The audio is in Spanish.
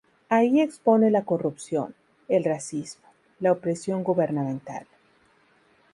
Allí expone la corrupción, el racismo, la opresión gubernamental.